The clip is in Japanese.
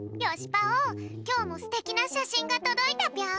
きょうもすてきなしゃしんがとどいたぴょん！